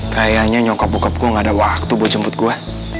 kayaknya nyokap bokap gue nggak ada waktu buat jemput gue